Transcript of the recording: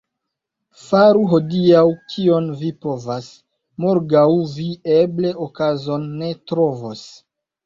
Faru hodiaŭ, kion vi povas, — morgaŭ vi eble okazon ne trovos.